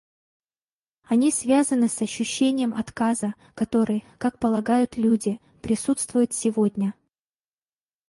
Они связаны с ощущением отказа, который, как полагают люди, присутствует сегодня.